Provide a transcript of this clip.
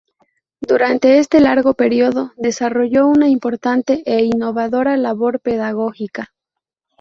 Durante este largo período desarrolló una importante e innovadora labor pedagógica.